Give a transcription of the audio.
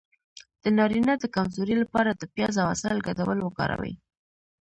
د نارینه د کمزوری لپاره د پیاز او عسل ګډول وکاروئ